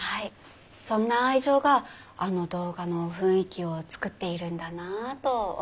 そんな愛情があの動画の雰囲気を作っているんだなと思いまして。